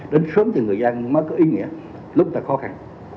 đến sớm thì người dân mới có ý nghĩa lúc là khó khăn